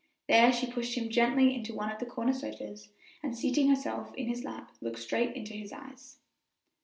There she pushed him gently into one of the corner sofas, and seating herself in his lap, looked straight into his eyes.